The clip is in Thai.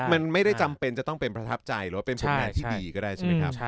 มันไม่ได้จำเป็นจะต้องเป็นประทับใจหรือว่าเป็นผลงานที่ดีก็ได้ใช่ไหมครับ